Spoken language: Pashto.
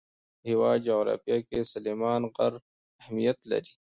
د هېواد جغرافیه کې سلیمان غر اهمیت لري.